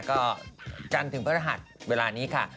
ก็จันทร์ถึงพระรหัสเวลานี้ค่ะ